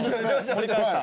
盛り返した。